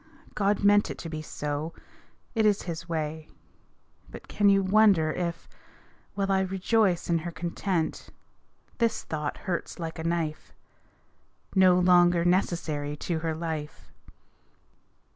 God meant it to be so it is His way. But can you wonder if, while I rejoice In her content, this thought hurts like a knife "No longer necessary to her life!"